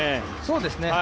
そうですね。